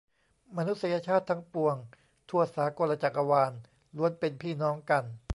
มนุษยชาติทั้งปวงทั่วสากลจักรวาลล้วนเป็นพี่น้องกัน